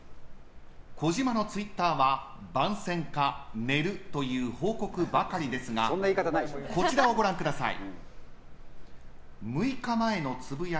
児嶋のツイッターは番宣か、寝るという報告ばかりですがこちらをご覧ください。